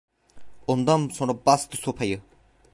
Ondan sonra bastı sopayı…